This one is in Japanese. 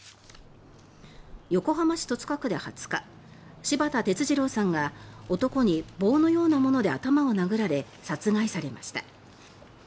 横浜市戸塚区で２０日柴田哲二郎さんが男に棒のようなもので頭を殴られ殺害されました。